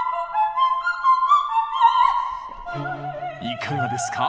いかがですか？